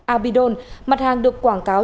abidol mặt hàng được quảng cáo